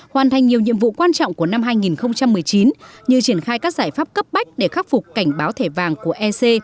hoàn thành nhiều nhiệm vụ quan trọng của năm hai nghìn một mươi chín như triển khai các giải pháp cấp bách để khắc phục cảnh báo thẻ vàng của ec